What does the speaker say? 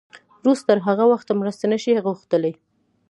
روس تر هغه وخته مرسته نه شي غوښتلی.